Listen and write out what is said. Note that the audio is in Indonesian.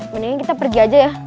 mendingan kita pergi aja ya